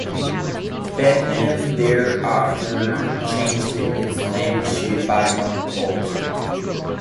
Beckman, thereafter, changed its name to Beckman Coulter.